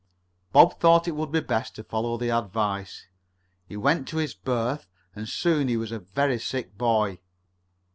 Bob thought it would be best to follow the advice. He went to his berth, and soon he was a very sick boy.